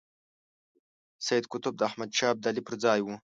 سید قطب د احمد شاه ابدالي پر ځای وو.